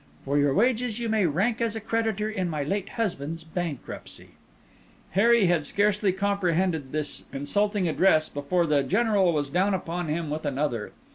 For your wages you may rank as a creditor in my late husband's bankruptcy." Harry had scarcely comprehended this insulting address before the General was down upon him with another.